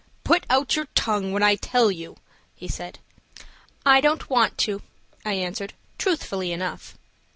"Put out your tongue when I tell you," he said. "I don't want to," I answered, truthfully enough.